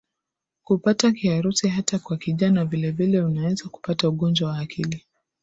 kupata Kiharusi hata kwa kijana Vilevile unaweza kupata ugonjwa wa akili